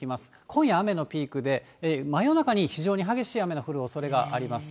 今夜、雨のピークで、真夜中に非常に激しい雨の降るおそれがあります。